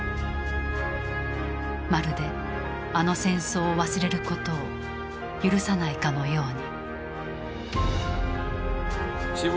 まるで「あの戦争」を忘れることを許さないかのように。